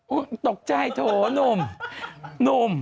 อุ๊ยตกใจโถหนุ่ม